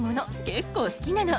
結構好きなの。